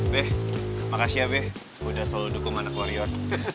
be makasih ya be udah selalu dukung anak warion